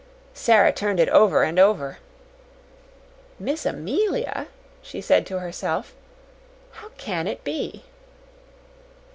Sara turned it over and over. "Miss Amelia!" she said to herself "How CAN it be!"